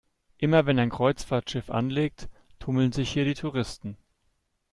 Immer wenn ein Kreuzfahrtschiff anlegt, tummeln sich hier die Touristen.